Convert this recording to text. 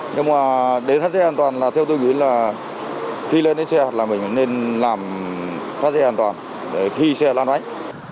nhưng mà để thắt dây an toàn là theo tôi nghĩ là khi lên đến xe là mình nên làm thắt dây an toàn để khi xe lan bánh